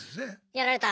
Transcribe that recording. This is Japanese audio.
やられた。